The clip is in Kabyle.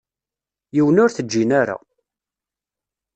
Yiwen ur t-ǧǧin ara.